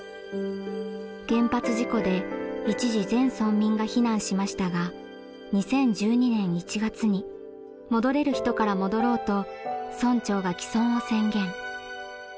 原発事故で一時全村民が避難しましたが２０１２年１月に「戻れる人から戻ろう」と村長が帰村を宣言。